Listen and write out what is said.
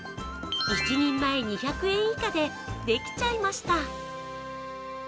１人前２００円以下でできちゃいました。